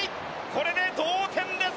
これで同点です。